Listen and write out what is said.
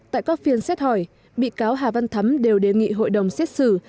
tại các phiên xét hỏi bị cáo hà văn thắm đều đề nghị hội đồng xét xử